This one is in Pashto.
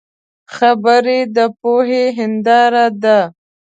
خبرې د پوهې هنداره ده